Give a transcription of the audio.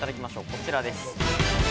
こちらです。